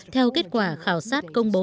theo kết quả khảo sát công bố